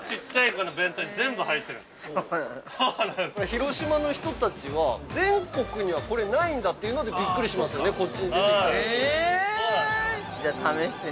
◆広島の人たちは、全国にはこれないんだというのびっくりしますよね、こっちに出てきて。